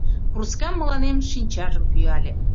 Курскам мыланем шинчажым пӱяле.